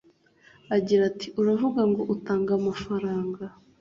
Agira ati ”Uravuga ngo utanga amafaranga